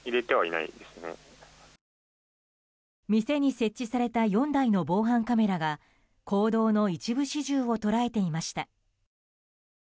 店に設置された４台の防犯カメラが行動の一部始終を捉えていました。